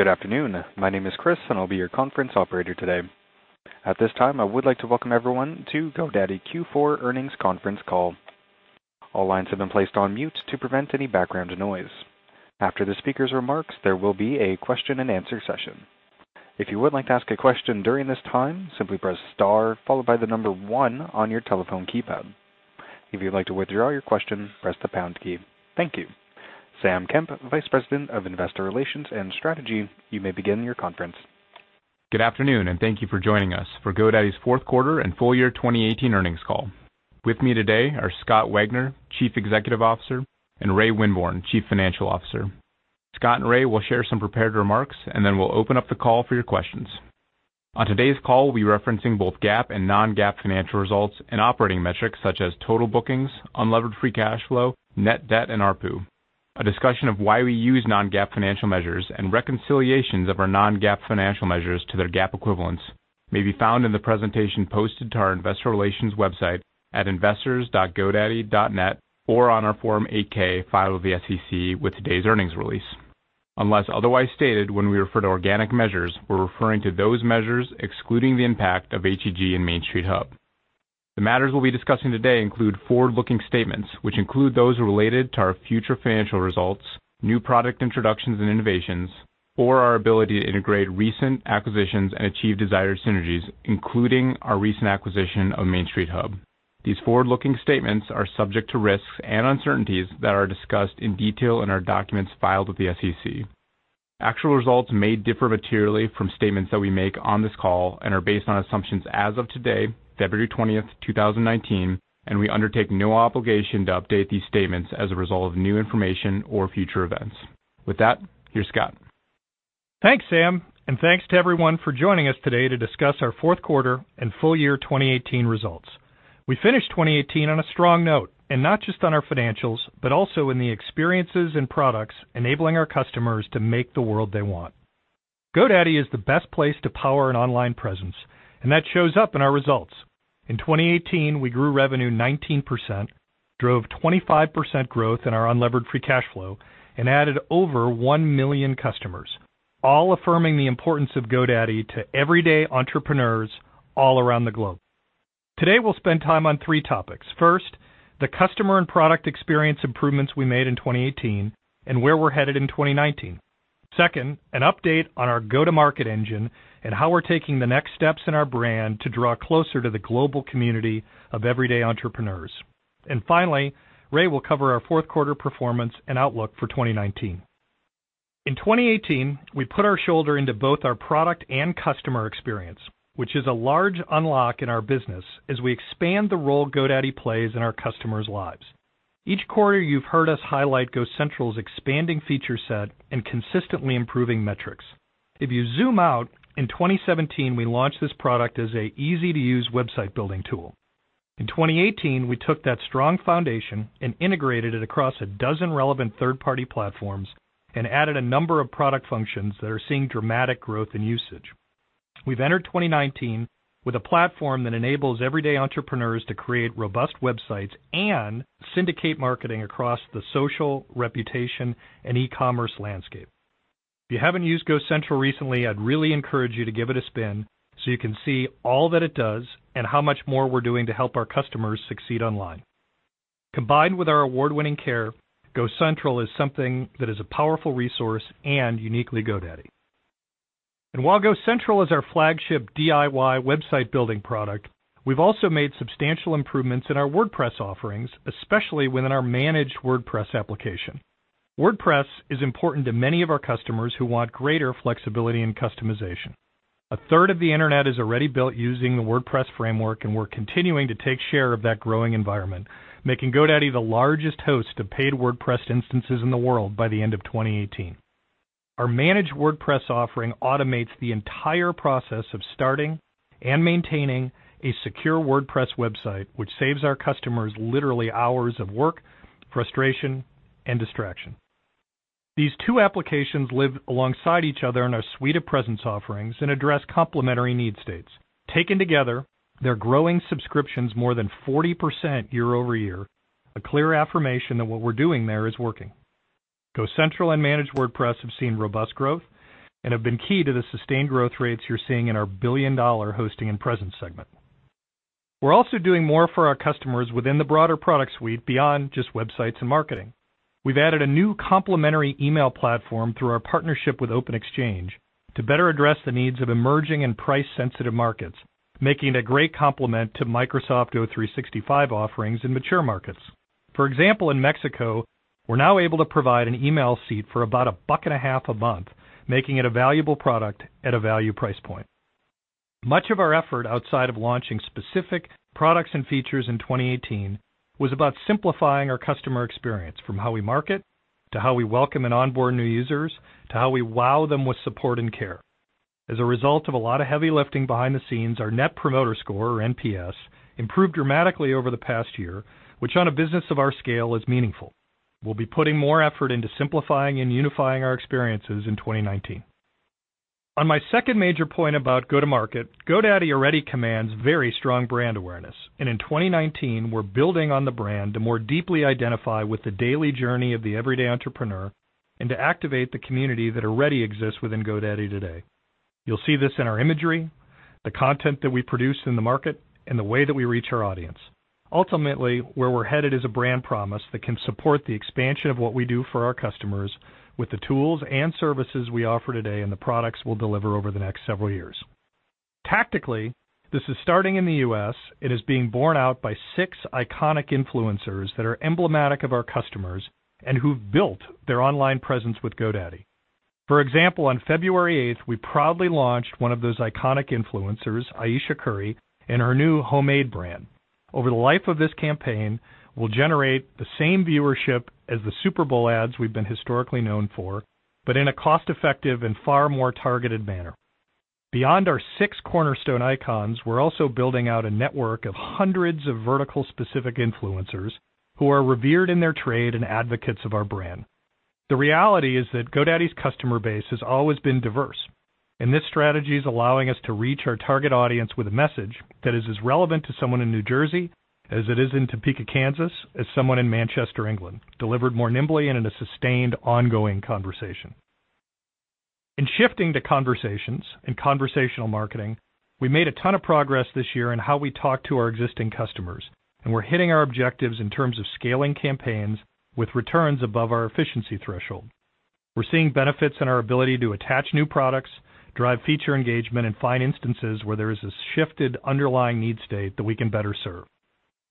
Good afternoon. My name is Chris, and I'll be your conference operator today. At this time, I would like to welcome everyone to GoDaddy Q4 Earnings Conference Call. All lines have been placed on mute to prevent any background noise. After the speaker's remarks, there will be a question and answer session. If you would like to ask a question during this time, simply press star followed by the number 1 on your telephone keypad. If you'd like to withdraw your question, press the pound key. Thank you. Sam Kemp, Vice President of Investor Relations and Strategy, you may begin your conference. Good afternoon, and thank you for joining us for GoDaddy's fourth quarter and full year 2018 earnings call. With me today are Scott Wagner, Chief Executive Officer, and Ray Winborne, Chief Financial Officer. Scott and Ray will share some prepared remarks, and then we'll open up the call for your questions. On today's call, we'll be referencing both GAAP and non-GAAP financial results and operating metrics such as total bookings, unlevered free cash flow, net debt, and ARPU. A discussion of why we use non-GAAP financial measures and reconciliations of our non-GAAP financial measures to their GAAP equivalents may be found in the presentation posted to our investor relations website at investors.godaddy.net or on our Form 8-K filed with the SEC with today's earnings release. Unless otherwise stated, when we refer to organic measures, we're referring to those measures excluding the impact of HEG and Main Street Hub. The matters we'll be discussing today include forward-looking statements, which include those related to our future financial results, new product introductions and innovations, or our ability to integrate recent acquisitions and achieve desired synergies, including our recent acquisition of Main Street Hub. These forward-looking statements are subject to risks and uncertainties that are discussed in detail in our documents filed with the SEC. Actual results may differ materially from statements that we make on this call and are based on assumptions as of today, February 20, 2019, and we undertake no obligation to update these statements as a result of new information or future events. With that, here's Scott. Thanks, Sam, and thanks to everyone for joining us today to discuss our fourth quarter and full year 2018 results. We finished 2018 on a strong note, and not just on our financials, but also in the experiences and products enabling our customers to make the world they want. GoDaddy is the best place to power an online presence, and that shows up in our results. In 2018, we grew revenue 19%, drove 25% growth in our unlevered free cash flow, and added over 1 million customers, all affirming the importance of GoDaddy to everyday entrepreneurs all around the globe. Today, we'll spend time on 3 topics. First, the customer and product experience improvements we made in 2018 and where we're headed in 2019. Second, an update on our go-to-market engine and how we're taking the next steps in our brand to draw closer to the global community of everyday entrepreneurs. Finally, Ray will cover our fourth quarter performance and outlook for 2019. In 2018, we put our shoulder into both our product and customer experience, which is a large unlock in our business as we expand the role GoDaddy plays in our customers' lives. Each quarter, you've heard us highlight GoCentral's expanding feature set and consistently improving metrics. If you zoom out, in 2017, we launched this product as an easy-to-use website-building tool. In 2018, we took that strong foundation and integrated it across a dozen relevant third-party platforms and added a number of product functions that are seeing dramatic growth in usage. We've entered 2019 with a platform that enables everyday entrepreneurs to create robust websites and syndicate marketing across the social, reputation, and e-commerce landscape. If you haven't used GoCentral recently, I'd really encourage you to give it a spin so you can see all that it does and how much more we're doing to help our customers succeed online. Combined with our award-winning care, GoCentral is something that is a powerful resource and uniquely GoDaddy. While GoCentral is our flagship DIY website-building product, we've also made substantial improvements in our WordPress offerings, especially within our Managed WordPress application. WordPress is important to many of our customers who want greater flexibility and customization. A third of the internet is already built using the WordPress framework, and we're continuing to take share of that growing environment, making GoDaddy the largest host of paid WordPress instances in the world by the end of 2018. Our Managed WordPress offering automates the entire process of starting and maintaining a secure WordPress website, which saves our customers literally hours of work, frustration, and distraction. These two applications live alongside each other in our suite of presence offerings and address complementary need states. Taken together, they're growing subscriptions more than 40% year-over-year, a clear affirmation that what we're doing there is working. GoCentral and Managed WordPress have seen robust growth and have been key to the sustained growth rates you're seeing in our billion-dollar hosting and presence segment. We're also doing more for our customers within the broader product suite beyond just websites and marketing. We've added a new complementary email platform through our partnership with Open-Xchange to better address the needs of emerging and price-sensitive markets, making it a great complement to Microsoft 365 offerings in mature markets. For example, in Mexico, we're now able to provide an email seat for about a buck and a half a month, making it a valuable product at a value price point. Much of our effort outside of launching specific products and features in 2018 was about simplifying our customer experience, from how we market, to how we welcome and onboard new users, to how we wow them with support and care. As a result of a lot of heavy lifting behind the scenes, our Net Promoter Score, or NPS, improved dramatically over the past year, which on a business of our scale is meaningful. We'll be putting more effort into simplifying and unifying our experiences in 2019. On my second major point about go-to-market, GoDaddy already commands very strong brand awareness, and in 2019, we're building on the brand to more deeply identify with the daily journey of the everyday entrepreneur and to activate the community that already exists within GoDaddy today. You'll see this in our imagery, the content that we produce in the market, and the way that we reach our audience. Ultimately, where we're headed is a brand promise that can support the expansion of what we do for our customers with the tools and services we offer today and the products we'll deliver over the next several years. Tactically, this is starting in the U.S. It is being borne out by six iconic influencers that are emblematic of our customers and who've built their online presence with GoDaddy. For example, on February 8th, we proudly launched one of those iconic influencers, Ayesha Curry, and her new Homemade brand. Over the life of this campaign, we'll generate the same viewership as the Super Bowl ads we've been historically known for, but in a cost-effective and far more targeted manner. Beyond our six cornerstone icons, we're also building out a network of hundreds of vertical-specific influencers who are revered in their trade and advocates of our brand. The reality is that GoDaddy's customer base has always been diverse, and this strategy is allowing us to reach our target audience with a message that is as relevant to someone in New Jersey as it is in Topeka, Kansas, as someone in Manchester, England, delivered more nimbly and in a sustained, ongoing conversation. In shifting to conversations and conversational marketing, we made a ton of progress this year in how we talk to our existing customers, and we're hitting our objectives in terms of scaling campaigns with returns above our efficiency threshold. We're seeing benefits in our ability to attach new products, drive feature engagement, and find instances where there is a shifted underlying need state that we can better serve.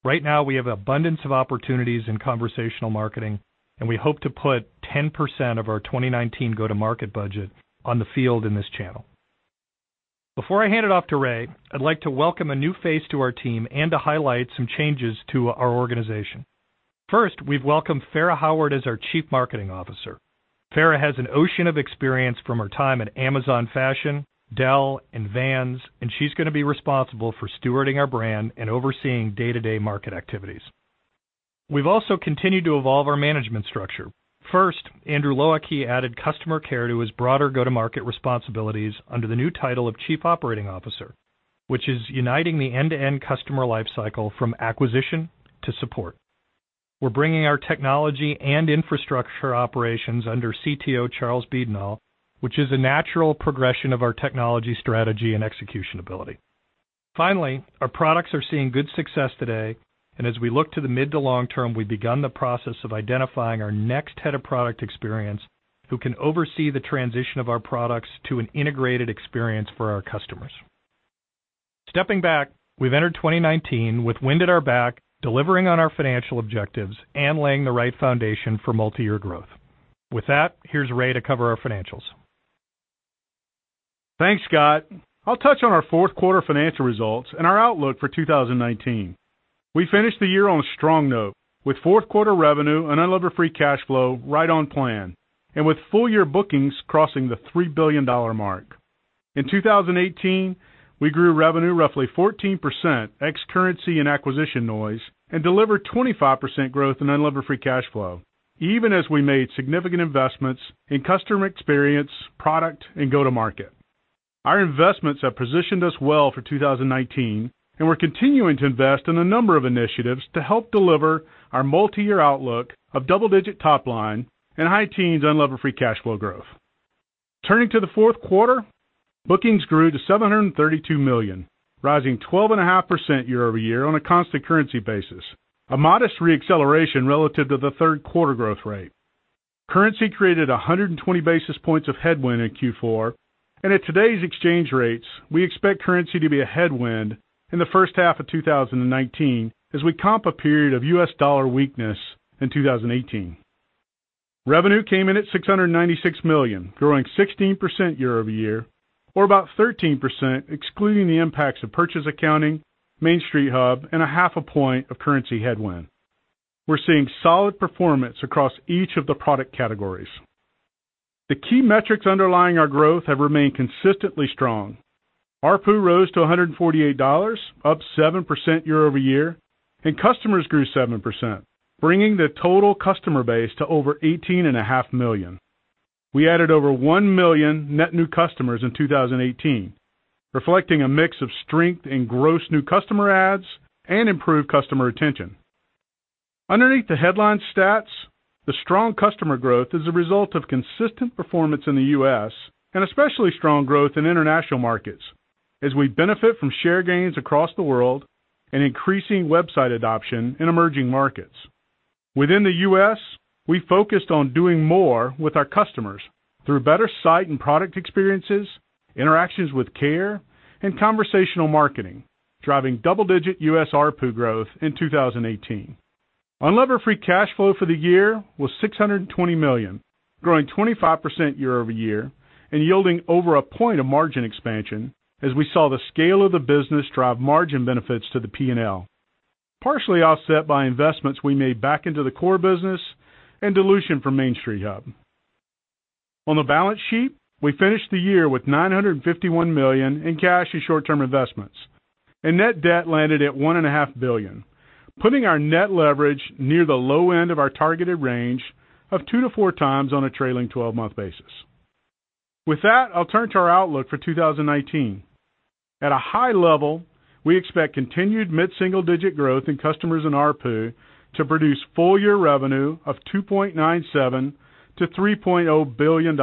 Right now, we have an abundance of opportunities in conversational marketing, and we hope to put 10% of our 2019 go-to-market budget on the field in this channel. Before I hand it off to Ray, I'd like to welcome a new face to our team and to highlight some changes to our organization. First, we've welcomed Fara Howard as our Chief Marketing Officer. Fara has an ocean of experience from her time at Amazon Fashion, Dell, and Vans, she's going to be responsible for stewarding our brand and overseeing day-to-day market activities. We've also continued to evolve our management structure. First, Andrew Low Ah Kee added customer care to his broader go-to-market responsibilities under the new title of Chief Operating Officer, which is uniting the end-to-end customer life cycle from acquisition to support. We're bringing our technology and infrastructure operations under CTO Charles Beadnall, which is a natural progression of our technology strategy and execution ability. Finally, our products are seeing good success today, as we look to the mid to long term, we've begun the process of identifying our next head of product experience who can oversee the transition of our products to an integrated experience for our customers. Stepping back, we've entered 2019 with wind at our back, delivering on our financial objectives and laying the right foundation for multi-year growth. With that, here's Ray to cover our financials. Thanks, Scott. I'll touch on our fourth quarter financial results and our outlook for 2019. We finished the year on a strong note with fourth-quarter revenue and unlevered free cash flow right on plan, and with full-year bookings crossing the $3 billion mark. In 2018, we grew revenue roughly 14%, ex-currency and acquisition noise, and delivered 25% growth in unlevered free cash flow, even as we made significant investments in customer experience, product, and go-to-market. Our investments have positioned us well for 2019, and we're continuing to invest in a number of initiatives to help deliver our multi-year outlook of double-digit top line and high teens unlevered free cash flow growth. Turning to the fourth quarter, bookings grew to $732 million, rising 12.5% year-over-year on a constant currency basis, a modest re-acceleration relative to the third quarter growth rate. Currency created 120 basis points of headwind in Q4, and at today's exchange rates, we expect currency to be a headwind in the first half of 2019 as we comp a period of US dollar weakness in 2018. Revenue came in at $696 million, growing 16% year-over-year, or about 13% excluding the impacts of purchase accounting, Main Street Hub, and a half a point of currency headwind. We're seeing solid performance across each of the product categories. The key metrics underlying our growth have remained consistently strong. ARPU rose to $148, up 7% year-over-year, and customers grew 7%, bringing the total customer base to over 18.5 million. We added over one million net new customers in 2018, reflecting a mix of strength in gross new customer adds and improved customer retention. Underneath the headline stats, the strong customer growth is a result of consistent performance in the U.S., and especially strong growth in international markets as we benefit from share gains across the world and increasing website adoption in emerging markets. Within the U.S., we focused on doing more with our customers through better site and product experiences, interactions with care, and conversational marketing, driving double-digit U.S. ARPU growth in 2018. Unlevered free cash flow for the year was $620 million, growing 25% year-over-year and yielding over a point of margin expansion as we saw the scale of the business drive margin benefits to the P&L, partially offset by investments we made back into the core business and dilution from Main Street Hub. On the balance sheet, we finished the year with $951 million in cash and short-term investments. Net debt landed at $1.5 billion, putting our net leverage near the low end of our targeted range of 2-4 times on a trailing 12-month basis. With that, I'll turn to our outlook for 2019. At a high level, we expect continued mid-single-digit growth in customers and ARPU to produce full-year revenue of $2.97 billion-$3.0 billion,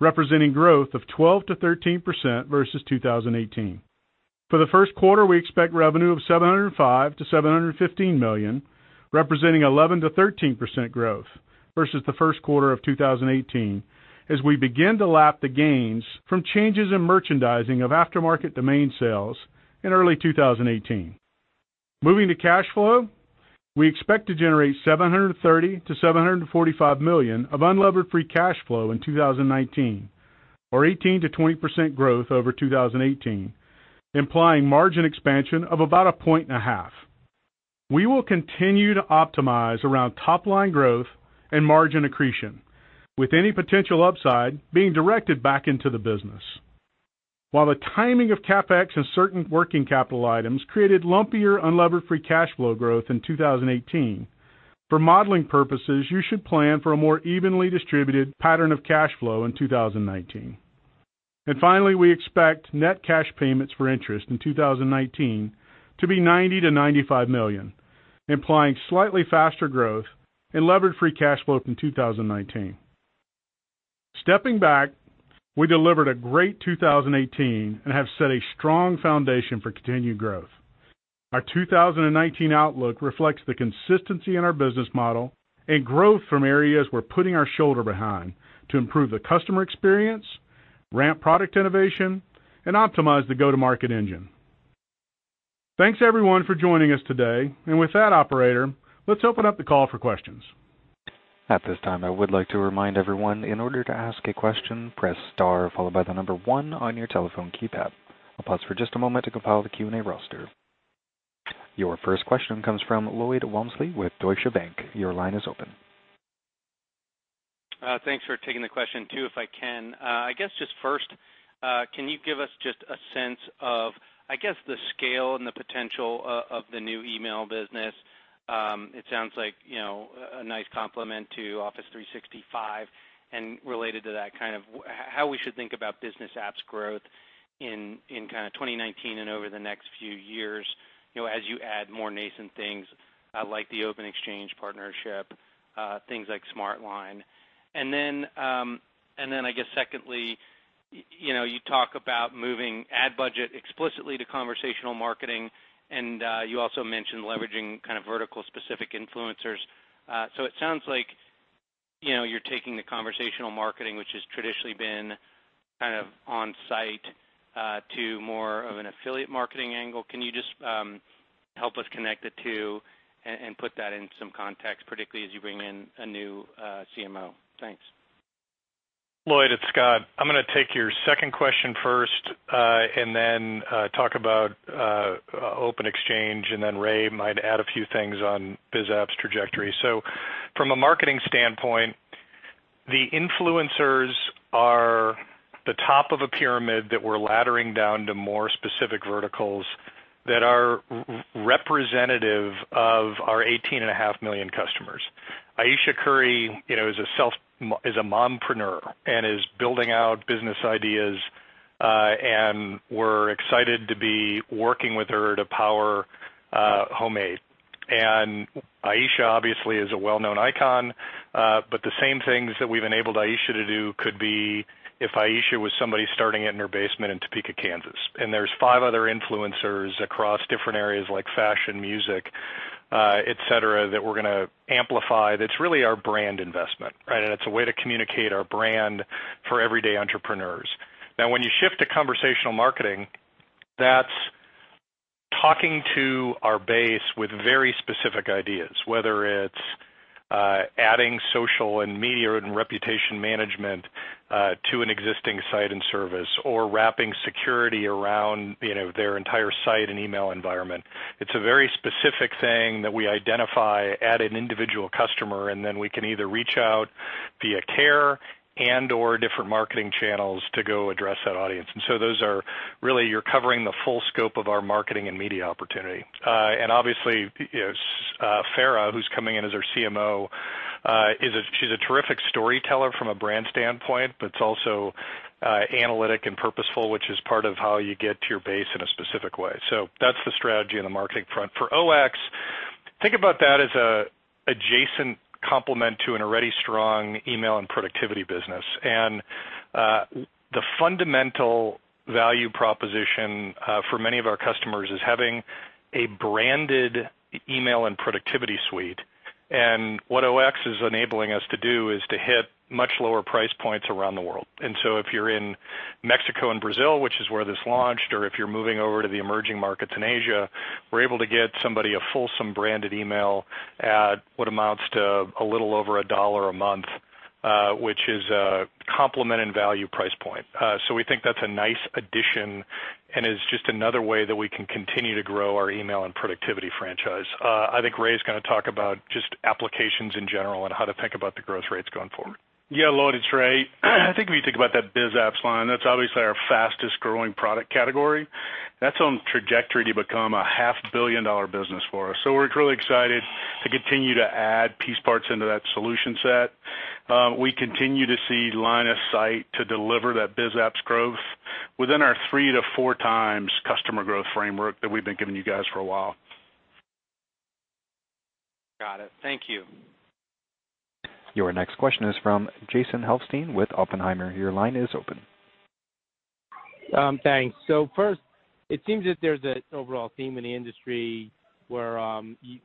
representing growth of 12%-13% versus 2018. For the first quarter, we expect revenue of $705 million-$715 million, representing 11%-13% growth versus the first quarter of 2018, as we begin to lap the gains from changes in merchandising of aftermarket domain sales in early 2018. Moving to cash flow, we expect to generate $730 million-$745 million of unlevered free cash flow in 2019, or 18%-20% growth over 2018, implying margin expansion of about a point and a half. We will continue to optimize around top-line growth and margin accretion, with any potential upside being directed back into the business. While the timing of CapEx and certain working capital items created lumpier unlevered free cash flow growth in 2018, for modeling purposes, you should plan for a more evenly distributed pattern of cash flow in 2019. Finally, we expect net cash payments for interest in 2019 to be $90 million-$95 million, implying slightly faster growth in levered free cash flow from 2019. Stepping back, we delivered a great 2018 and have set a strong foundation for continued growth. Our 2019 outlook reflects the consistency in our business model and growth from areas we're putting our shoulder behind to improve the customer experience, ramp product innovation, and optimize the go-to-market engine. Thanks, everyone, for joining us today. With that, operator, let's open up the call for questions. At this time, I would like to remind everyone, in order to ask a question, press star followed by the number 1 on your telephone keypad. I'll pause for just a moment to compile the Q&A roster. Your first question comes from Lloyd Walmsley with Deutsche Bank. Your line is open. Thanks for taking the question, too. If I can, first, can you give us a sense of the scale and the potential of the new email business? It sounds like a nice complement to Office 365. Related to that, how we should think about business apps growth in 2019 and over the next few years, as you add more nascent things like the Open-Xchange partnership, things like SmartLine. Secondly, you talk about moving ad budget explicitly to conversational marketing, and you also mentioned leveraging vertical-specific influencers. It sounds like you're taking the conversational marketing, which has traditionally been on-site, to more of an affiliate marketing angle. Can you just help us connect the two and put that in some context, particularly as you bring in a new CMO? Thanks. Lloyd, it's Scott. I'm going to take your second question first and then talk about Open-Xchange, and then Ray might add a few things on Biz Apps trajectory. From a marketing standpoint, the influencers are the top of a pyramid that we're laddering down to more specific verticals that are representative of our 18.5 million customers. Ayesha Curry is a mompreneur, and is building out business ideas, and we're excited to be working with her to power Homemade. Ayesha, obviously, is a well-known icon, but the same things that we've enabled Ayesha to do could be if Ayesha was somebody starting out in her basement in Topeka, Kansas. There's five other influencers across different areas like fashion, music, et cetera, that we're going to amplify. That's really our brand investment, right? It's a way to communicate our brand for everyday entrepreneurs. Now, when you shift to conversational marketing, that's talking to our base with very specific ideas, whether it's adding social and media and reputation management to an existing site and service, or wrapping security around their entire site and email environment. It's a very specific thing that we identify at an individual customer, and then we can either reach out via care and/or different marketing channels to go address that audience. Those are really you're covering the full scope of our marketing and media opportunity. Obviously, Fara, who's coming in as our CMO, she's a terrific storyteller from a brand standpoint, but it's also analytic and purposeful, which is part of how you get to your base in a specific way. That's the strategy on the marketing front. For OX, think about that as an adjacent complement to an already strong email and productivity business. The fundamental value proposition for many of our customers is having a branded email and productivity suite. What OX is enabling us to do is to hit much lower price points around the world. If you're in Mexico and Brazil, which is where this launched, or if you're moving over to the emerging markets in Asia, we're able to get somebody a fulsome branded email at what amounts to a little over $1 a month, which is a complement and value price point. We think that's a nice addition and is just another way that we can continue to grow our email and productivity franchise. I think Ray's gonna talk about just applications in general and how to think about the growth rates going forward. Yeah, Lloyd, it's Ray. I think if you think about that Biz Apps line, that's obviously our fastest-growing product category. That's on trajectory to become a half billion-dollar business for us. We're really excited to continue to add piece parts into that solution set. We continue to see line of sight to deliver that Biz Apps growth within our three to four times customer growth framework that we've been giving you guys for a while. Got it. Thank you. Your next question is from Jason Helfstein with Oppenheimer. Your line is open. Thanks. First, it seems that there's an overall theme in the industry where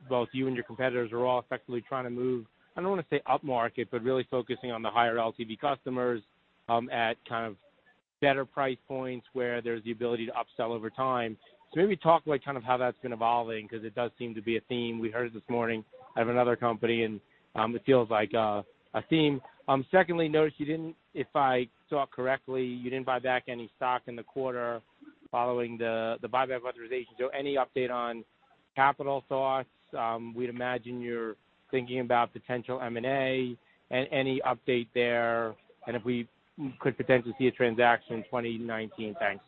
both you and your competitors are all effectively trying to move, I don't want to say up market, but really focusing on the higher LTV customers, at kind of better price points where there's the ability to upsell over time. Maybe talk about how that's been evolving, because it does seem to be a theme. We heard it this morning out of another company, it feels like a theme. Secondly, notice you didn't, if I saw it correctly, you didn't buy back any stock in the quarter following the buyback authorization. Any update on capital thoughts? We'd imagine you're thinking about potential M&A and any update there and if we could potentially see a transaction in 2019. Thanks.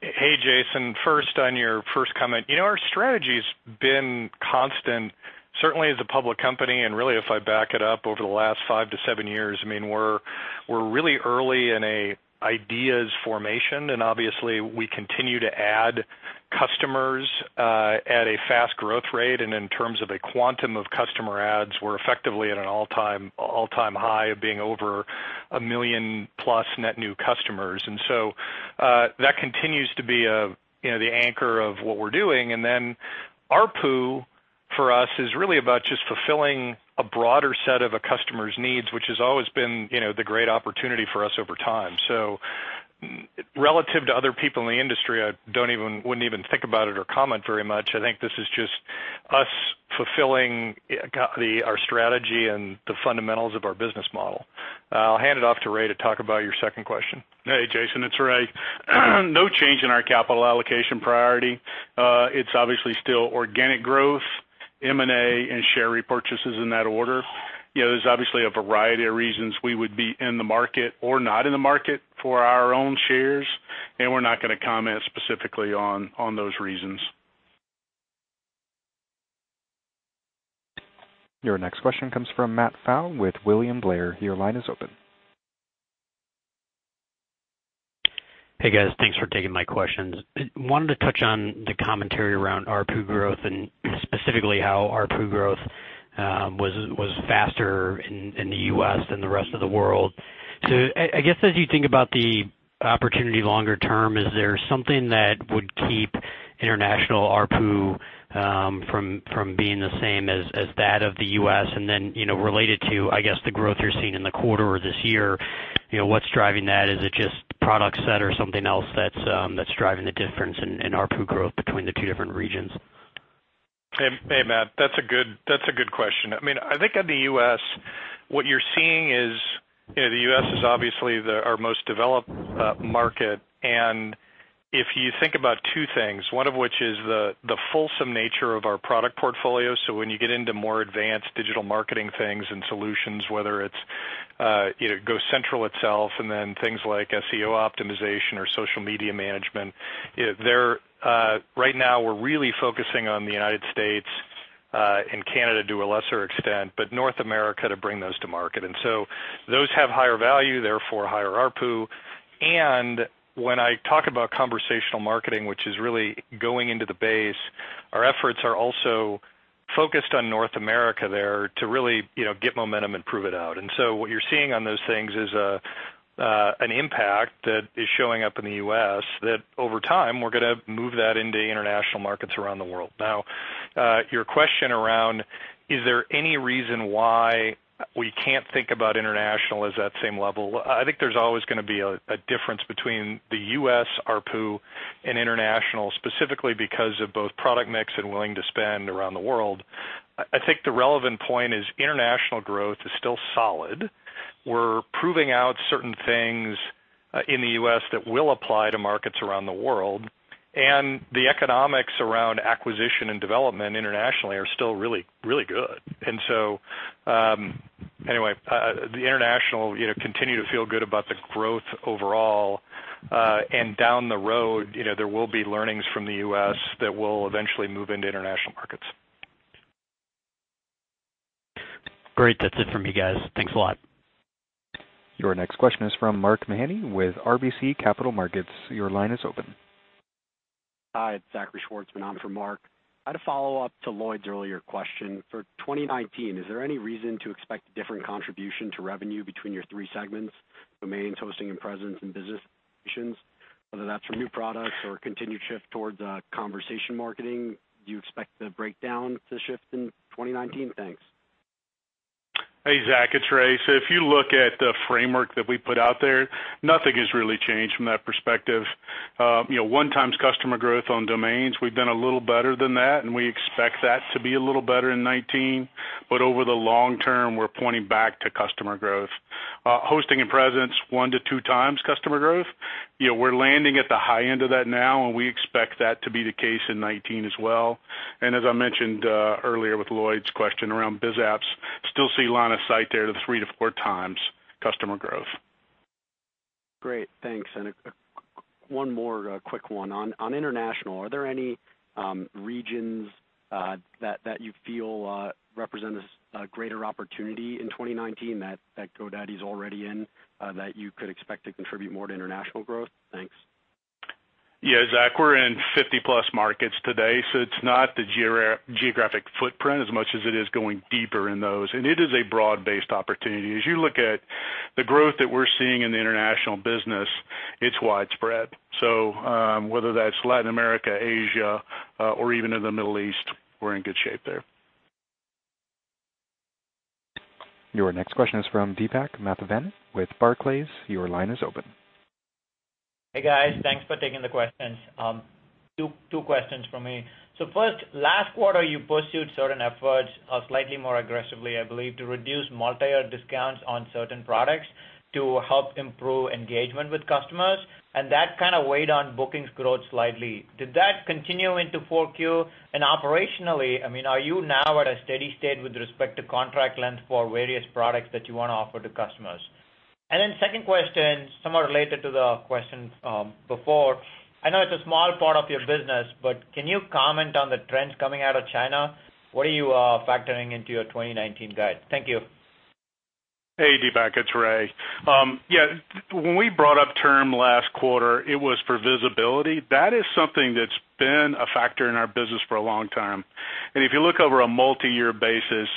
Hey, Jason. First, on your first comment. Our strategy's been constant, certainly as a public company. Really if I back it up over the last five to seven years, we're really early in a ideas formation. Obviously we continue to add customers at a fast growth rate. In terms of a quantum of customer adds, we're effectively at an all-time high of being over 1 million plus net new customers. That continues to be the anchor of what we're doing. ARPU for us is really about just fulfilling a broader set of a customer's needs, which has always been the great opportunity for us over time. Relative to other people in the industry, I wouldn't even think about it or comment very much. I think this is just us fulfilling our strategy and the fundamentals of our business model. I'll hand it off to Ray to talk about your second question. Hey, Jason, it's Ray. No change in our capital allocation priority. It's obviously still organic growth, M&A, share repurchases in that order. There's obviously a variety of reasons we would be in the market or not in the market for our own shares. We're not going to comment specifically on those reasons. Your next question comes from Matt Pfau with William Blair. Your line is open. Hey, guys. Thanks for taking my questions. Wanted to touch on the commentary around ARPU growth, and specifically how ARPU growth was faster in the U.S. than the rest of the world. I guess as you think about the opportunity longer term, is there something that would keep international ARPU from being the same as that of the U.S.? Related to, I guess, the growth you're seeing in the quarter or this year, what's driving that? Is it just product set or something else that's driving the difference in ARPU growth between the two different regions? Hey, Matt, that's a good question. I think in the U.S., what you're seeing is the U.S. is obviously our most developed market. If you think about two things, one of which is the fulsome nature of our product portfolio. When you get into more advanced digital marketing things and solutions, whether it's GoCentral itself, then things like SEO optimization or social media management. Right now, we're really focusing on the United States, and Canada to a lesser extent, but North America to bring those to market. Those have higher value, therefore higher ARPU. When I talk about conversational marketing, which is really going into the base, our efforts are also focused on North America there to really get momentum and prove it out. What you're seeing on those things is an impact that is showing up in the U.S. that over time, we're going to move that into international markets around the world. Your question around, is there any reason why we can't think about international as that same level? I think there's always going to be a difference between the U.S. ARPU and international, specifically because of both product mix and willing to spend around the world. I think the relevant point is international growth is still solid. We're proving out certain things in the U.S. that will apply to markets around the world, and the economics around acquisition and development internationally are still really good. The international, continue to feel good about the growth overall. Down the road, there will be learnings from the U.S. that will eventually move into international markets. Great. That's it from me, guys. Thanks a lot. Your next question is from Mark Mahaney with RBC Capital Markets. Your line is open. Hi, it's Zachary Schwartz. I'm in for Mark. I had a follow-up to Lloyd's earlier question. For 2019, is there any reason to expect a different contribution to revenue between your three segments, domains, hosting and presence, and business solutions, whether that's from new products or continued shift towards conversation marketing? Do you expect the breakdown to shift in 2019? Thanks. Hey, Zach, it's Ray. If you look at the framework that we put out there, nothing has really changed from that perspective. One times customer growth on domains, we've done a little better than that, and we expect that to be a little better in 2019. Over the long term, we're pointing back to customer growth. Hosting and presence, one to two times customer growth. We're landing at the high end of that now, and we expect that to be the case in 2019 as well. As I mentioned earlier with Lloyd's question around Biz Apps, we still see line of sight there to three to four times customer growth. Great. Thanks. One more quick one. On international, are there any regions that you feel represent a greater opportunity in 2019 that GoDaddy's already in that you could expect to contribute more to international growth? Thanks. Yeah, Zachary, we're in 50-plus markets today, it's not the geographic footprint as much as it is going deeper in those. It is a broad-based opportunity. As you look at the growth that we're seeing in the international business, it's widespread. Whether that's Latin America, Asia, or even in the Middle East, we're in good shape there. Your next question is from Deepak Mathivanan with Barclays. Your line is open. Hey, guys. Thanks for taking the questions. Two questions from me. First, last quarter, you pursued certain efforts slightly more aggressively, I believe, to reduce multi-year discounts on certain products to help improve engagement with customers, and that kind of weighed on bookings growth slightly. Did that continue into 4Q? Operationally, are you now at a steady state with respect to contract length for various products that you want to offer to customers? Second question, somewhat related to the question before, I know it's a small part of your business, but can you comment on the trends coming out of China? What are you factoring into your 2019 guide? Thank you. Hey, Deepak, it's Ray. Yeah, when we brought up term last quarter, it was for visibility. That is something that's been a factor in our business for a long time. If you look over a multi-year basis,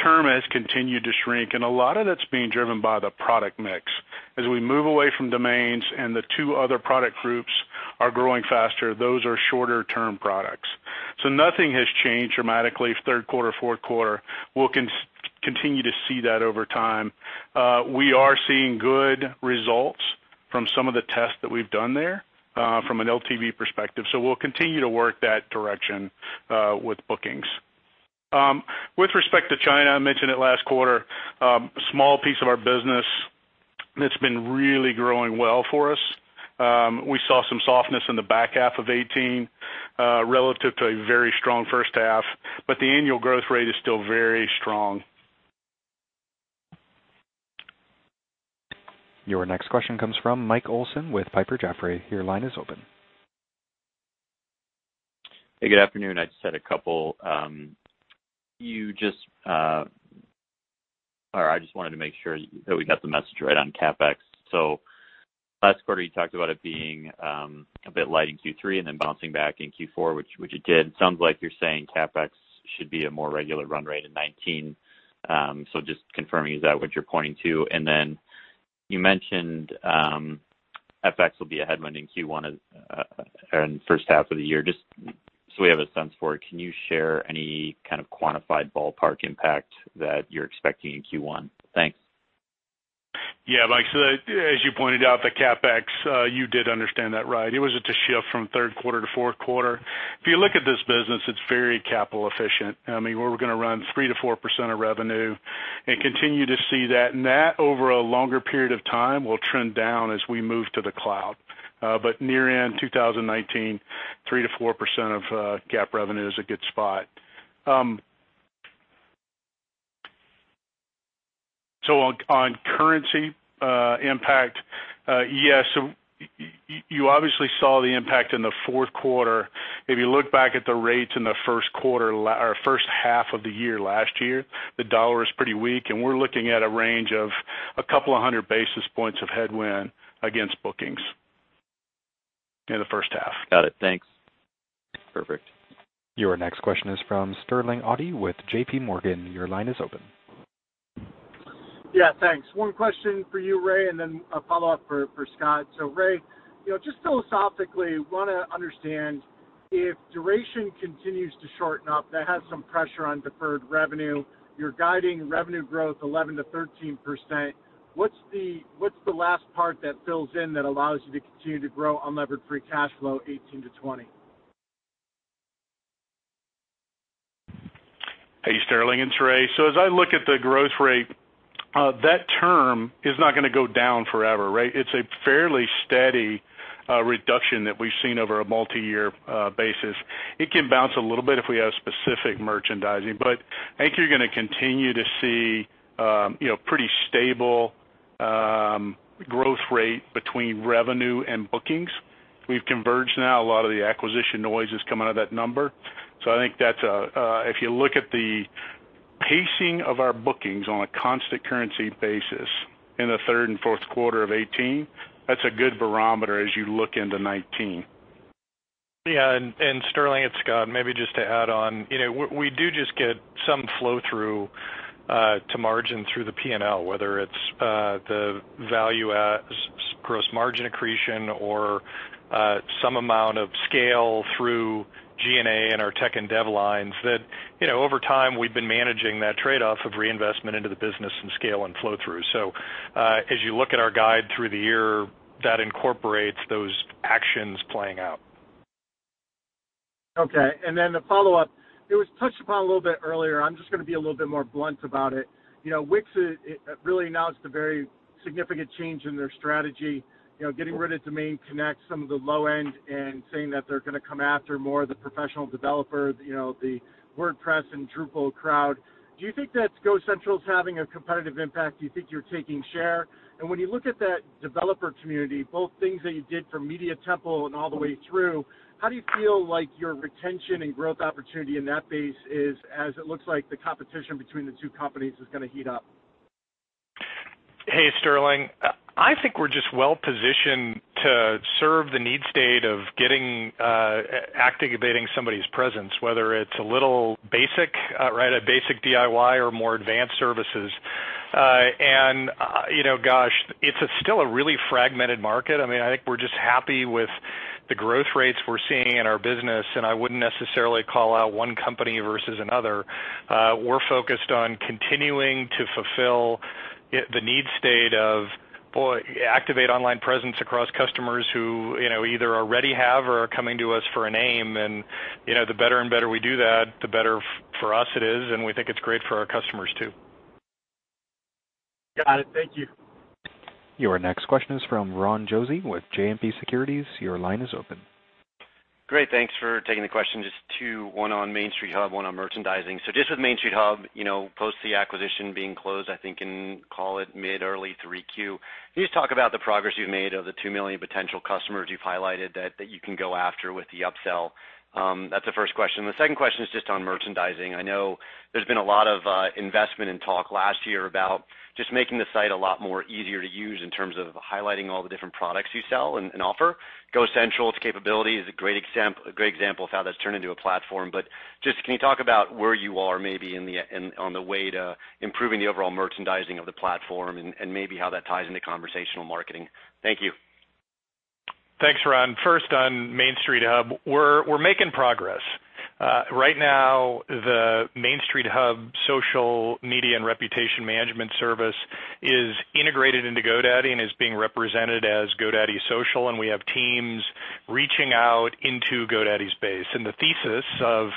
term has continued to shrink, and a lot of that's being driven by the product mix. As we move away from domains and the two other product groups are growing faster, those are shorter-term products. Nothing has changed dramatically third quarter, fourth quarter. We'll continue to see that over time. We are seeing good results from some of the tests that we've done there from an LTV perspective. We'll continue to work that direction with bookings. With respect to China, I mentioned it last quarter, small piece of our business that's been really growing well for us. We saw some softness in the back half of 2018 relative to a very strong first half, but the annual growth rate is still very strong. Your next question comes from Michael Olson with Piper Jaffray. Your line is open. Hey, good afternoon. I just wanted to make sure that we got the message right on CapEx. Last quarter, you talked about it being a bit light in Q3 and then bouncing back in Q4, which it did. Sounds like you're saying CapEx should be a more regular run rate in 2019. Just confirming, is that what you're pointing to? And then you mentioned FX will be a headwind in Q1 and first half of the year. Just so we have a sense for it, can you share any kind of quantified ballpark impact that you're expecting in Q1? Thanks. Mike, as you pointed out, the CapEx, you did understand that right. It was just a shift from third quarter to fourth quarter. If you look at this business, it's very capital efficient. We're going to run 3%-4% of revenue and continue to see that. That, over a longer period of time, will trend down as we move to the cloud. Near end 2019, 3%-4% of GAAP revenue is a good spot. On currency impact, you obviously saw the impact in the fourth quarter. If you look back at the rates in the first half of the year last year, the dollar is pretty weak, and we're looking at a range of 200 basis points of headwind against bookings in the first half. Got it. Thanks. Perfect. Your next question is from Sterling Auty with J.P. Morgan. Your line is open. Yeah, thanks. One question for you, Ray, and then a follow-up for Scott. Ray, just philosophically, want to understand if duration continues to shorten up, that has some pressure on deferred revenue. You're guiding revenue growth 11%-13%. What's the last part that fills in that allows you to continue to grow unlevered free cash flow 18%-20%? Hey, Sterling, it's Ray. As I look at the growth rate, that term is not going to go down forever. It's a fairly steady reduction that we've seen over a multi-year basis. It can bounce a little bit if we have specific merchandising, I think you're going to continue to see pretty stable growth rate between revenue and bookings. We've converged now, a lot of the acquisition noise has come out of that number. I think if you look at the pacing of our bookings on a constant currency basis in the third and fourth quarter of 2018, that's a good barometer as you look into 2019. Sterling, it's Scott. Maybe just to add on. We do just get some flow-through to margin through the P&L, whether it's the value gross margin accretion or some amount of scale through G&A and our tech and dev lines that over time, we've been managing that trade-off of reinvestment into the business and scale and flow-through. As you look at our guide through the year, that incorporates those actions playing out. Okay. The follow-up, it was touched upon a little bit earlier, I'm just going to be a little bit more blunt about it. Wix really announced a very significant change in their strategy, getting rid of Domain Connect, some of the low end, saying that they're going to come after more of the professional developer, the WordPress and Drupal crowd. Do you think that GoCentral is having a competitive impact? Do you think you're taking share? When you look at that developer community, both things that you did for Media Temple and all the way through, how do you feel like your retention and growth opportunity in that base is, as it looks like the competition between the two companies is going to heat up? Hey, Sterling. I think we're just well-positioned to serve the need state of activating somebody's presence, whether it's a little basic, right? A basic DIY or more advanced services. Gosh, it's still a really fragmented market. I think we're just happy with the growth rates we're seeing in our business, I wouldn't necessarily call out one company versus another. We're focused on continuing to fulfill the need state of activate online presence across customers who either already have or are coming to us for an aim. The better and better we do that, the better for us it is, and we think it's great for our customers, too. Got it. Thank you. Your next question is from Ronald Josey with JMP Securities. Your line is open. Great. Thanks for taking the question. Just two, one on Main Street Hub, one on merchandising. Just with Main Street Hub, post the acquisition being closed, I think in, call it mid, early 3Q, can you just talk about the progress you've made of the 2 million potential customers you've highlighted that you can go after with the upsell? That's the first question. The second question is just on merchandising. I know there's been a lot of investment and talk last year about just making the site a lot more easier to use in terms of highlighting all the different products you sell and offer. GoCentral, its capability is a great example of how that's turned into a platform. Just, can you talk about where you are maybe on the way to improving the overall merchandising of the platform and maybe how that ties into conversational marketing? Thank you. Thanks, Ron. First on Main Street Hub, we're making progress. Right now, the Main Street Hub social media and reputation management service is integrated into GoDaddy and is being represented as GoDaddy Social, and we have teams reaching out into GoDaddy's base. The thesis of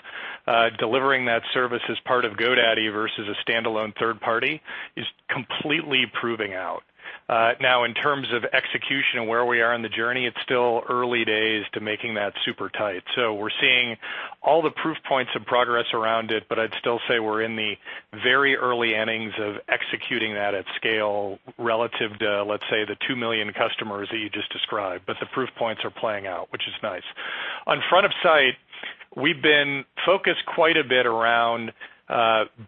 delivering that service as part of GoDaddy versus a standalone third party is completely proving out. Now, in terms of execution and where we are on the journey, it's still early days to making that super tight. We're seeing all the proof points of progress around it, but I'd still say we're in the very early innings of executing that at scale relative to, let's say, the 2 million customers that you just described. The proof points are playing out, which is nice. On front of site, we've been focused quite a bit around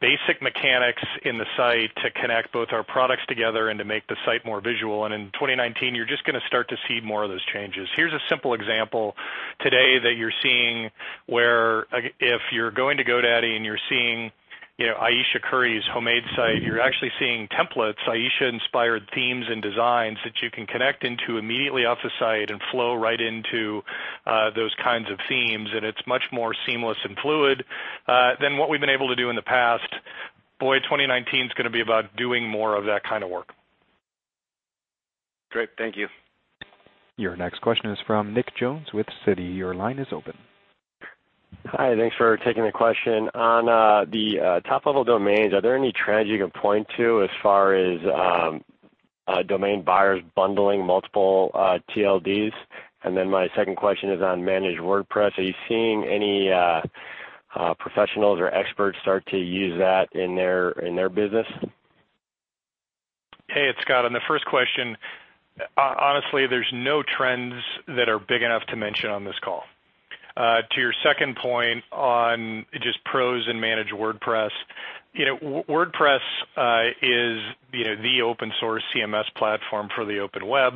basic mechanics in the site to connect both our products together and to make the site more visual. In 2019, you're just going to start to see more of those changes. Here's a simple example today that you're seeing, where if you're going to GoDaddy and you're seeing Ayesha Curry's Homemade site, you're actually seeing templates, Ayesha-inspired themes and designs that you can connect into immediately off the site and flow right into those kinds of themes, and it's much more seamless and fluid than what we've been able to do in the past. Boy, 2019 is going to be about doing more of that kind of work. Great. Thank you. Your next question is from Nicholas Jones with Citi. Your line is open. Hi, thanks for taking the question. On the top-level domains, are there any trends you can point to as far as domain buyers bundling multiple TLDs? Then my second question is on Managed WordPress. Are you seeing any professionals or experts start to use that in their business? Hey, it's Scott. On the first question, honestly, there's no trends that are big enough to mention on this call. To your second point on just pros in Managed WordPress is the open-source CMS platform for the open web.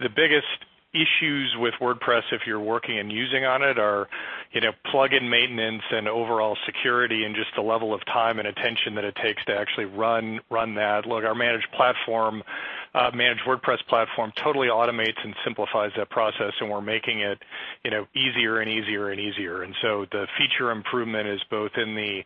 The biggest issues with WordPress, if you're working and using on it, are plug-in maintenance and overall security, and just the level of time and attention that it takes to actually run that. Look, our Managed WordPress platform totally automates and simplifies that process, and we're making it easier and easier. The feature improvement is both in the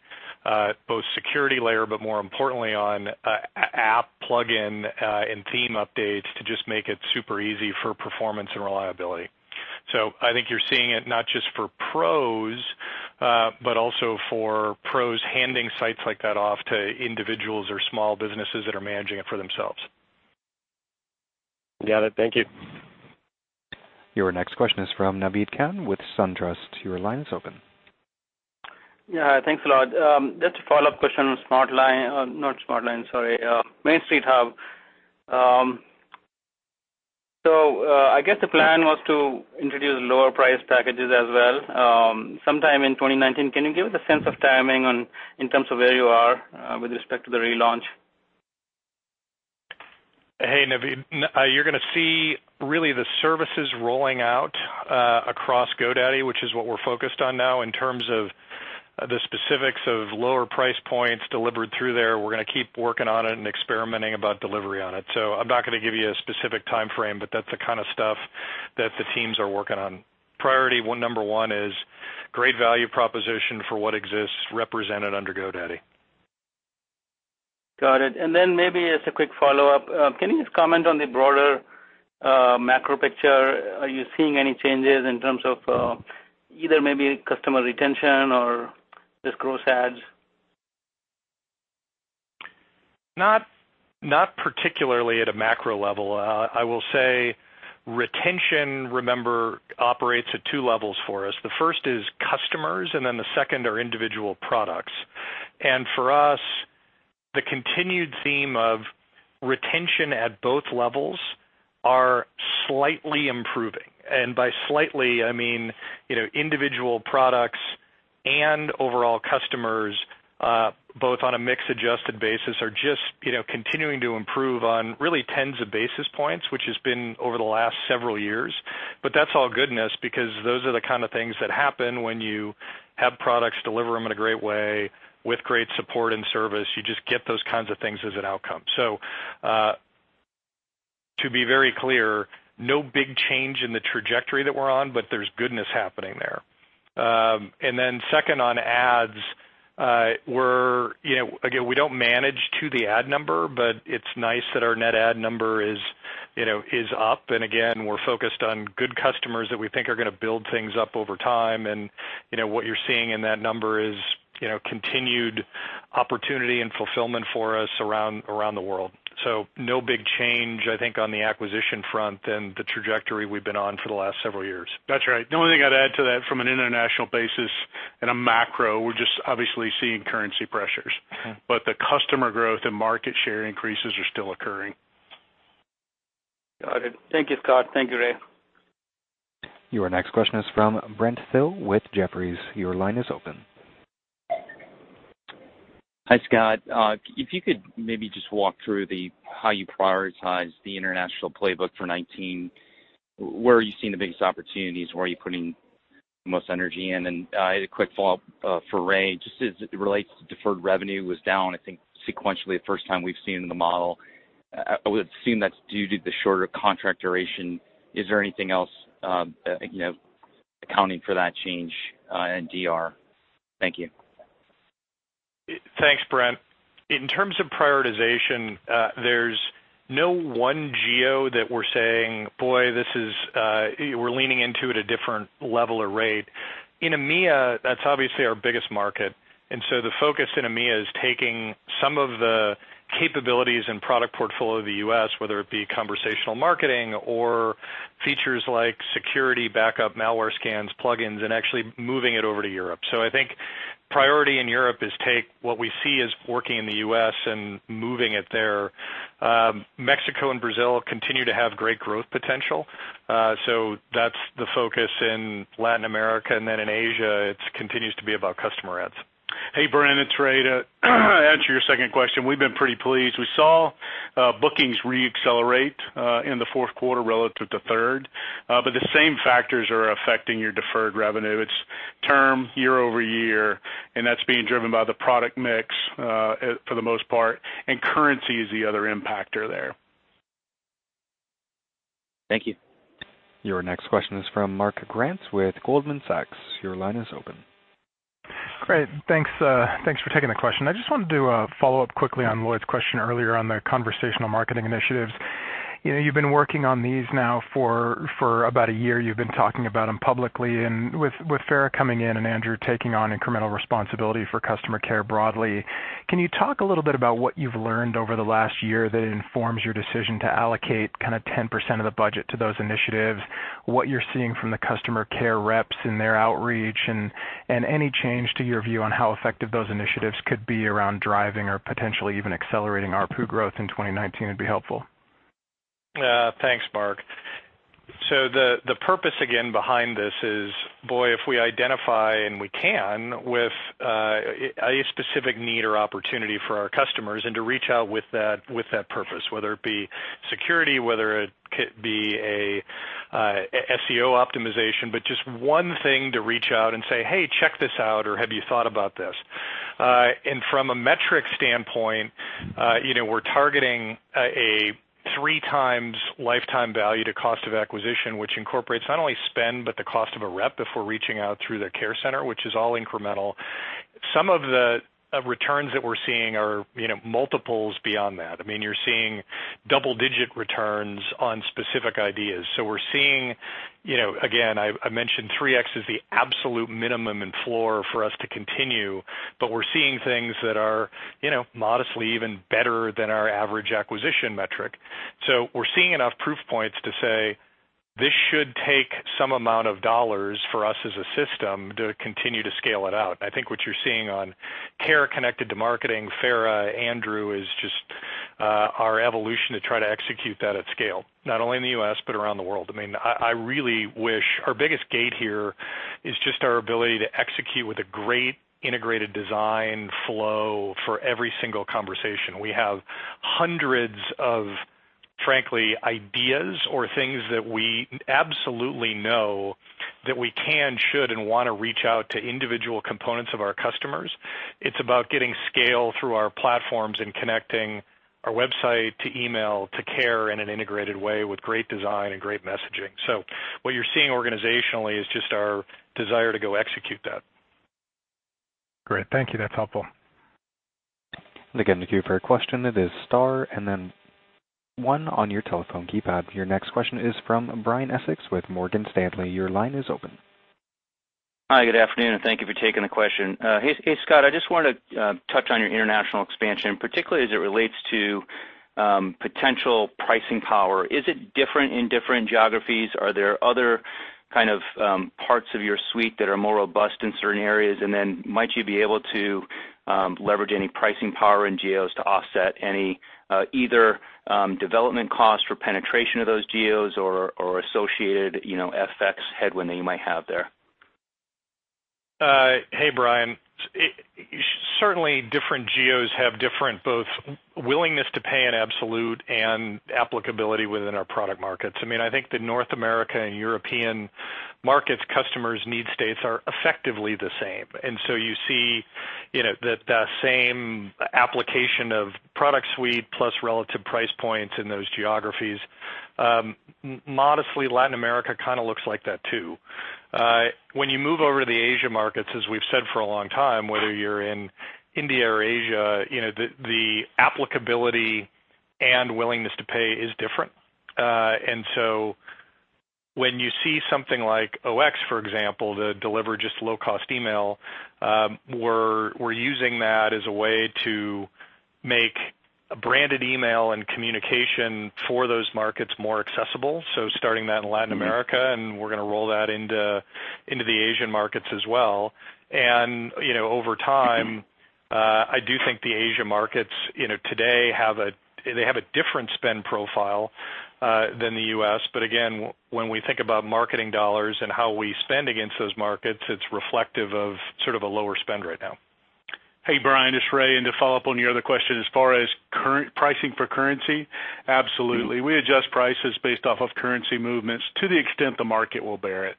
security layer, but more importantly on app plug-in and theme updates to just make it super easy for performance and reliability. I think you're seeing it not just for pros, but also for pros handing sites like that off to individuals or small businesses that are managing it for themselves. Got it. Thank you. Your next question is from Naved Khan with SunTrust. Your line is open. Yeah, thanks a lot. Just a follow-up question on Main Street Hub. I guess the plan was to introduce lower-priced packages as well, sometime in 2019. Can you give us a sense of timing in terms of where you are with respect to the relaunch? Hey, Naved. You're going to see really the services rolling out across GoDaddy, which is what we're focused on now. In terms of the specifics of lower price points delivered through there, we're going to keep working on it and experimenting about delivery on it. I'm not going to give you a specific timeframe, but that's the kind of stuff that the teams are working on. Priority number 1 is great value proposition for what exists represented under GoDaddy. Got it. Maybe as a quick follow-up, can you just comment on the broader macro picture? Are you seeing any changes in terms of either maybe customer retention or just gross adds? Not particularly at a macro level. I will say retention, remember, operates at 2 levels for us. The first is customers, and then the second are individual products. For us, the continued theme of retention at both levels are slightly improving. By slightly, I mean individual products and overall customers, both on a mix-adjusted basis, are just continuing to improve on really tens of basis points, which has been over the last several years. That's all goodness because those are the kind of things that happen when you have products, deliver them in a great way with great support and service. You just get those kinds of things as an outcome. To be very clear, no big change in the trajectory that we're on, but there's goodness happening there. Second on ads, again, we don't manage to the ad number, but it's nice that our net add number is up. Again, we're focused on good customers that we think are going to build things up over time. What you're seeing in that number is continued opportunity and fulfillment for us around the world. No big change, I think, on the acquisition front than the trajectory we've been on for the last several years. That's right. The only thing I'd add to that from an international basis in a macro, we're just obviously seeing currency pressures. Okay. The customer growth and market share increases are still occurring. Got it. Thank you, Scott. Thank you, Ray. Your next question is from Brent Thill with Jefferies. Your line is open. Hi, Scott. If you could maybe just walk through how you prioritize the international playbook for 2019. Where are you seeing the biggest opportunities? Where are you putting the most energy in? I had a quick follow-up for Ray, just as it relates to deferred revenue was down, I think sequentially the first time we've seen in the model. I would assume that's due to the shorter contract duration. Is there anything else accounting for that change in DR? Thank you. Thanks, Brent. In terms of prioritization, there's no one geo that we're saying, boy, we're leaning into at a different level or rate. In EMEA, that's obviously our biggest market. The focus in EMEA is taking some of the capabilities and product portfolio of the U.S., whether it be conversational marketing or features like security, backup, malware scans, plugins, and actually moving it over to Europe. I think priority in Europe is take what we see as working in the U.S. and moving it there. Mexico and Brazil continue to have great growth potential. That's the focus in Latin America. In Asia, it continues to be about customer adds. Hey, Brent, it's Ray. To answer your second question, we've been pretty pleased. We saw bookings re-accelerate in the fourth quarter relative to third. The same factors are affecting your deferred revenue. It's term year-over-year, and that's being driven by the product mix for the most part, and currency is the other impactor there. Thank you. Your next question is from Mark Grant with Goldman Sachs. Your line is open. Great. Thanks for taking the question. I just wanted to do a follow-up quickly on Lloyd's question earlier on the conversational marketing initiatives. You've been working on these now for about a year. You've been talking about them publicly. With Fara coming in and Andrew taking on incremental responsibility for customer care broadly, can you talk a little bit about what you've learned over the last year that informs your decision to allocate 10% of the budget to those initiatives? What you're seeing from the customer care reps and their outreach, and any change to your view on how effective those initiatives could be around driving or potentially even accelerating ARPU growth in 2019 would be helpful. Thanks, Mark. The purpose, again, behind this is, boy, if we identify, and we can, with a specific need or opportunity for our customers, and to reach out with that purpose, whether it be security, whether it be a SEO optimization, but just one thing to reach out and say, "Hey, check this out," or, "Have you thought about this?" From a metric standpoint, we're targeting a 3x lifetime value to cost of acquisition, which incorporates not only spend, but the cost of a rep if we're reaching out through the care center, which is all incremental. Some of the returns that we're seeing are multiples beyond that. You're seeing double-digit returns on specific ideas. We're seeing, again, I mentioned 3x is the absolute minimum and floor for us to continue, but we're seeing things that are modestly even better than our average acquisition metric. We're seeing enough proof points to say this should take some amount of dollars for us as a system to continue to scale it out. I think what you're seeing on care connected to marketing, Fara, Andrew, is just our evolution to try to execute that at scale, not only in the U.S. but around the world. Our biggest gate here is just our ability to execute with a great integrated design flow for every single conversation. We have hundreds of, frankly, ideas or things that we absolutely know that we can, should, and want to reach out to individual components of our customers. It's about getting scale through our platforms and connecting our website to email to care in an integrated way with great design and great messaging. What you're seeing organizationally is just our desire to go execute that. Great. Thank you. That's helpful. Again, to queue for a question, it is star 1 on your telephone keypad. Your next question is from Brian Essex with Morgan Stanley. Your line is open. Hi, good afternoon, and thank you for taking the question. Hey, Scott, I just wanted to touch on your international expansion, particularly as it relates to potential pricing power. Is it different in different geographies? Are there other parts of your suite that are more robust in certain areas? Then might you be able to leverage any pricing power in geos to offset any either development costs for penetration of those geos or associated FX headwind that you might have there? Hey, Brian. Certainly, different geos have different both willingness to pay in absolute and applicability within our product markets. I think the North America and European markets customers' need states are effectively the same. You see the same application of product suite plus relative price points in those geographies. Modestly, Latin America kind of looks like that too. When you move over to the Asia markets, as we've said for a long time, whether you're in India or Asia, the applicability and willingness to pay is different. When you see something like OX, for example, to deliver just low-cost email, we're using that as a way to make a branded email and communication for those markets more accessible. Starting that in Latin America, we're going to roll that into the Asian markets as well. Over time, I do think the Asia markets today have a different spend profile than the U.S. Again, when we think about marketing dollars and how we spend against those markets, it's reflective of sort of a lower spend right now. Hey, Brian, it's Ray. To follow up on your other question, as far as current pricing for currency, absolutely. We adjust prices based off of currency movements to the extent the market will bear it.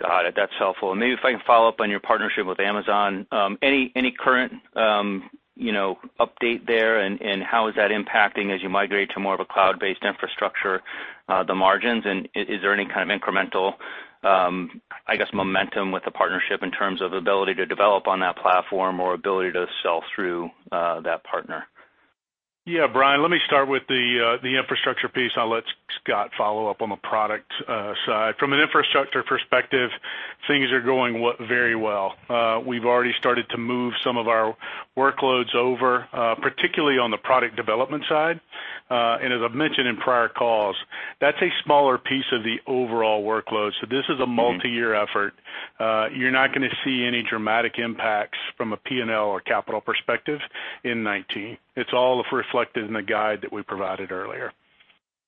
Got it. That's helpful. Maybe if I can follow up on your partnership with Amazon, any current update there? How is that impacting as you migrate to more of a cloud-based infrastructure, the margins? Is there any kind of incremental, I guess, momentum with the partnership in terms of ability to develop on that platform or ability to sell through that partner? Brian, let me start with the infrastructure piece. I'll let Scott follow up on the product side. From an infrastructure perspective, things are going very well. We've already started to move some of our workloads over, particularly on the product development side. As I've mentioned in prior calls, that's a smaller piece of the overall workload. This is a multi-year effort. You're not going to see any dramatic impacts from a P&L or capital perspective in 2019. It's all reflected in the guide that we provided earlier.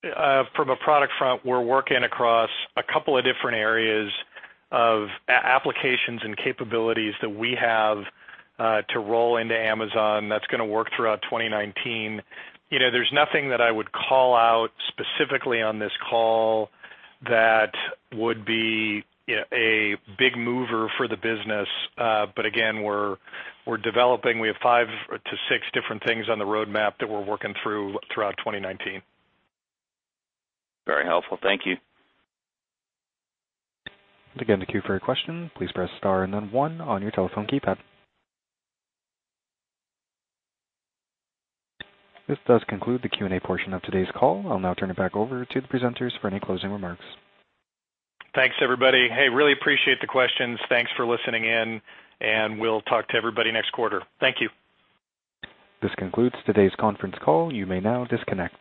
From a product front, we're working across a couple of different areas of applications and capabilities that we have to roll into Amazon. That's going to work throughout 2019. There's nothing that I would call out specifically on this call that would be a big mover for the business. Again, we're developing. We have five to six different things on the roadmap that we're working through throughout 2019. Very helpful. Thank you. Again, to queue for your question, please press star and then one on your telephone keypad. This does conclude the Q&A portion of today's call. I'll now turn it back over to the presenters for any closing remarks. Thanks, everybody. Hey, really appreciate the questions. Thanks for listening in. We'll talk to everybody next quarter. Thank you. This concludes today's conference call. You may now disconnect.